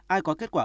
ai có kết quả